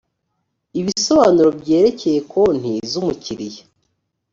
ibisobanuro byerekeye konti z umukiriya